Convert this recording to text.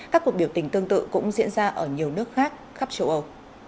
các cuộc biểu tình tương tự cũng diễn ra ở nhiều nước khác khắp châu âu